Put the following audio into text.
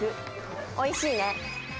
おいしいね。